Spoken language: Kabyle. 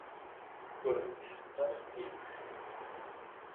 Ur netḥeqq ara s tidet.